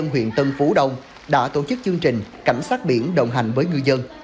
huyện tân phú đông đã tổ chức chương trình cảnh sát biển đồng hành với ngư dân